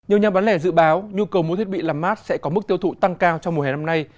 nhiều nhà bán lẻ dự báo nhu cầu mua thiết bị làm mát sẽ có mức tiêu thụ tăng cao trong mùa hè năm nay